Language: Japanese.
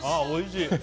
おいしい。